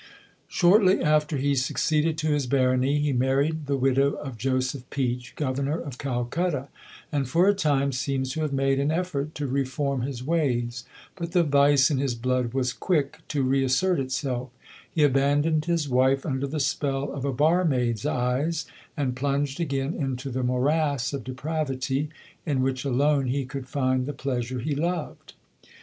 Shortly after he succeeded to his Barony he married the widow of Joseph Peach, Governor of Calcutta, and for a time seems to have made an effort to reform his ways; but the vice in his blood was quick to reassert itself; he abandoned his wife under the spell of a barmaid's eyes, and plunged again into the morass of depravity, in which alone he could find the pleasure he loved.